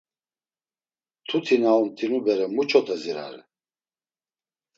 Mtuti na omt̆inu bere muç̌ote zirare?